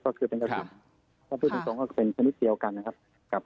แต่พูดจริงก็เป็นพนิทเดียวกันนะครับ